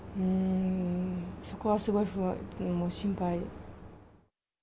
そこはすごい心配。